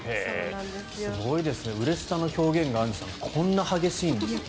すごいですね、うれしさの表現がアンジュさんこんな激しいんですね。